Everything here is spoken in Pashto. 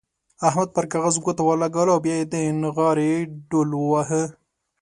احمد پر کاغذ ګوته ولګوله او بيا يې د نغارې ډوهل وواهه.